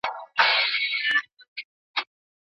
خلګو تل د خپلو ټولنيزو اړيکو د ساتلو هڅه کړې ده.